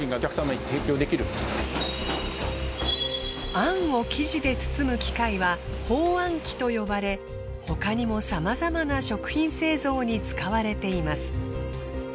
あんを生地で包む機械は包あん機と呼ばれ他にもさまざまな食品製造に使われています。